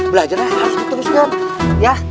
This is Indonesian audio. belajarnya harus dituliskan ya